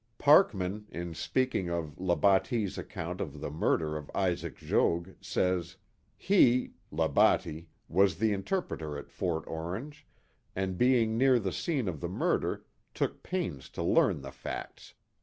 Parkman, in speaking of Labatie's account of the murder of Isaac Jogues, says: He (Labatie) was the interpreter at Fort Orange, and being near the scene of the murder, took pains to learn the facts.''